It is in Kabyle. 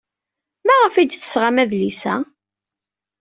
Maɣef ay d-tesɣam adlis-a?